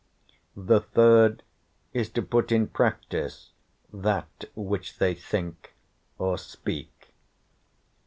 the third is to put in practice that which they think or speak.